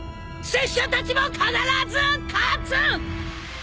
拙者たちも必ず勝つ！！